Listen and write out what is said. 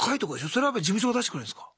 それは事務所が出してくれるんすか？